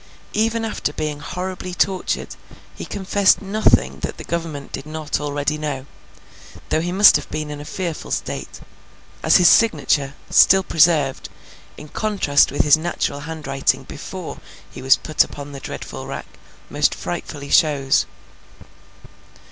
Even after being horribly tortured, he confessed nothing that the Government did not already know; though he must have been in a fearful state—as his signature, still preserved, in contrast with his natural hand writing before he was put upon the dreadful rack, most frightfully shows.